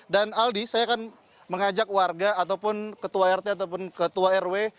dan aldi saya akan mengajak warga ataupun ketua rt ataupun ketua rw